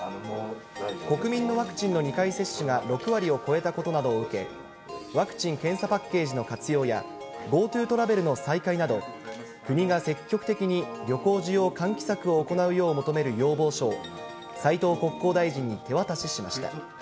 国民のワクチンの２回接種が６割を超えたことなどを受け、ワクチン・検査パッケージの活用や、ＧｏＴｏトラベルの再開など、国が積極的に旅行需要喚起策を行うよう求める要望書を、斉藤国交大臣に手渡ししました。